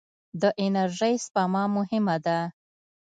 د انرژۍ سپما مهمه ده.